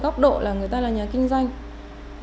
góc độ là người ta là nhà kinh doanh